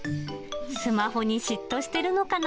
スマホに嫉妬してるのかな？